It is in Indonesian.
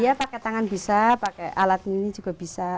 iya pakai tangan bisa pakai alat ini juga bisa